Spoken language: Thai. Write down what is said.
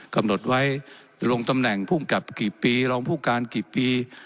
กำหนดไว้ลงตำแหน่งภูมิกับกี่ปีรองผู้การกี่ปี